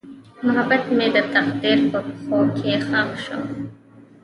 محبت مې د تقدیر په پښو کې ښخ شو.